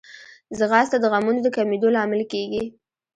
ځغاسته د غمونو د کمېدو لامل کېږي